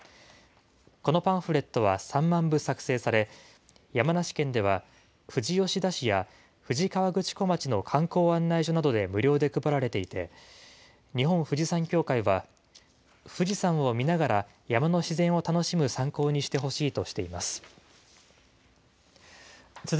このパンフレットは３万部作成され、山梨県では、富士吉田市や富士河口湖町の観光案内所などで無料で配られていて、日本富士山協会は、富士山を見ながら山の自然を楽しむ参考にしてほしいとしています。